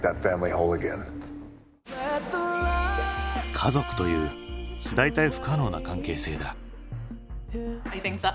家族という代替不可能な関係性だ。